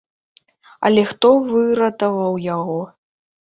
Але хто выратаваў яго?